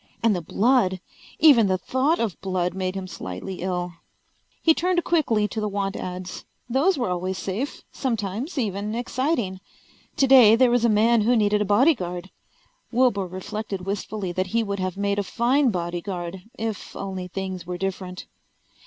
And the blood! Even the thought of blood made him slightly ill. He turned quickly to the want ads. Those were always safe, sometimes even exciting. Today there was a man who needed a bodyguard. Wilbur reflected wistfully that he would have made a fine bodyguard, if only things were different.